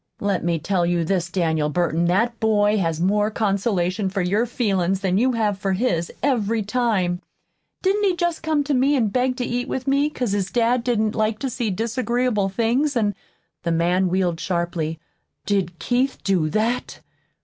Let me tell you this, Daniel Burton that boy has more consolation for your feelin's than you have for his, every time. Didn't he jest come to me an' beg to eat with me, 'cause his dad didn't like to see disagreeable things, an' " The man wheeled sharply. "Did Keith do that?"